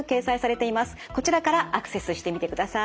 こちらからアクセスしてみてください。